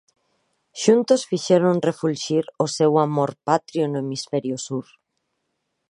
Xuntos fixeron refulxir o seu amor patrio no hemisferio sur.